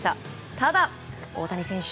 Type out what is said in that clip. ただ、大谷選手